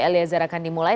eliezer akan dimulai